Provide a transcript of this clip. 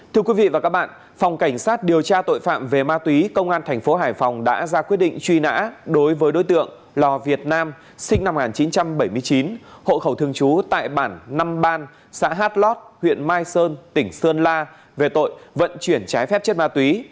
thưa quý vị và các bạn phòng cảnh sát điều tra tội phạm về ma túy công an thành phố hải phòng đã ra quyết định truy nã đối với đối tượng lò việt nam sinh năm một nghìn chín trăm bảy mươi chín hộ khẩu thường trú tại bản năm ban xã hát lót huyện mai sơn tỉnh sơn la về tội vận chuyển trái phép chất ma túy